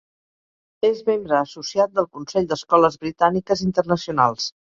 És membre associat del Consell d"Escoles Britàniques Internacionals.